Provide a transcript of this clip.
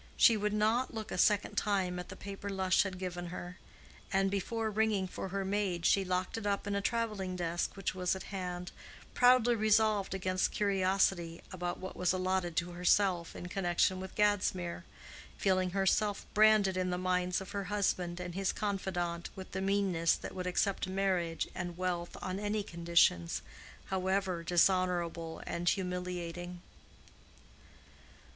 She would not look a second time at the paper Lush had given her; and before ringing for her maid she locked it up in a traveling desk which was at hand, proudly resolved against curiosity about what was allotted to herself in connection with Gadsmere—feeling herself branded in the minds of her husband and his confidant with the meanness that would accept marriage and wealth on any conditions, however dishonorable and humiliating.